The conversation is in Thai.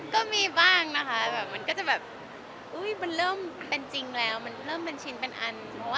ก็มีบ้างนะคะแบบมันเริ่มเป็นจริงแล้วมันเริ่มชินเป็นอัน